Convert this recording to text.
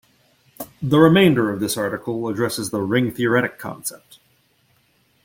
The remainder of this article addresses the ring-theoretic concept.